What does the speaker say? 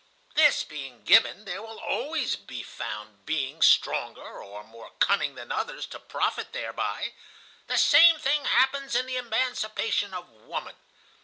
This being given, there will always be found beings stronger or more cunning than others to profit thereby. The same thing happens in the emancipation of woman.